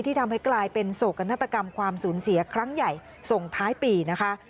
ทำให้กลายเป็นโศกนาฏกรรมความสูญเสียครั้งใหญ่ส่งท้ายปีนะคะ